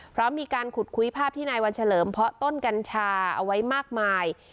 เพราะมีการขุดคุยภาพที่นายวันเฉลิมเพาะต้นกัญชาเอาไว้มากมาย